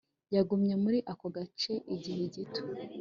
Yagumye muri ako gace igihe gito